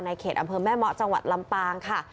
เขตอำเภอแม่เมาะจังหวัดลำปางค่ะ